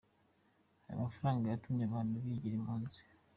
Ayo mafaranga yatumye abantu bigira impunzi.